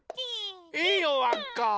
いいよわっか！